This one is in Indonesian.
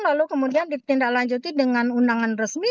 lalu kemudian ditindaklanjuti dengan undangan resmi